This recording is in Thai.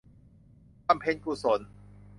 บำเพ็ญกุศล